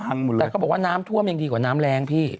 หมดเลยแต่เขาบอกว่าน้ำท่วมยังดีกว่าน้ำแรงพี่